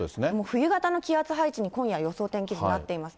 冬型の気圧配置に、今夜予想天気図なっています。